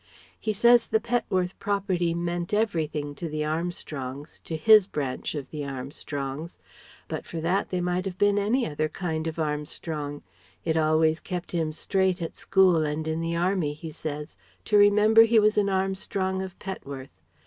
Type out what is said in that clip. He says the Petworth property meant everything to the Armstrongs, to his branch of the Armstrongs. But for that, they might have been any other kind of Armstrong it always kept him straight at school and in the army, he says, to remember he was an Armstrong of Petworth.